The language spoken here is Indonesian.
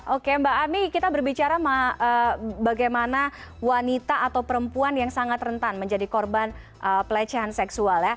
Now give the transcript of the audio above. oke mbak ami kita berbicara bagaimana wanita atau perempuan yang sangat rentan menjadi korban pelecehan seksual